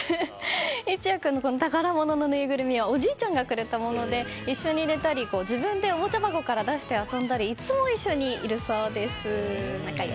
壱柳君の宝物のぬいぐるみはおじいちゃんがくれたもので一緒に寝たり自分でおもちゃ箱から出して遊んだりいつも一緒にいるそうです。